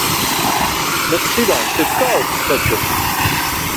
Tas sivēns ir kauts taču.